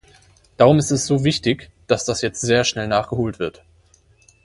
Darum ist es so wichtig, dass das jetzt sehr schnell nachgeholt wird.